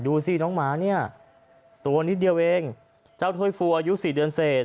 ดูสิน้องหมาเนี่ยตัวนิดเดียวเองเจ้าถ้วยฟูอายุสี่เดือนเศษ